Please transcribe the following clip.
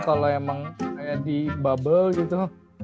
kalau emang kayak di bubble gitu